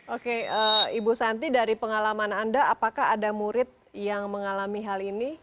oke ibu santi dari pengalaman anda apakah ada murid yang mengalami hal ini